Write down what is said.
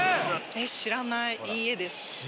えっ知らないいいえです。